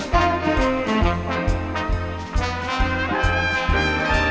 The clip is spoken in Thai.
โปรดติดตามต่อไป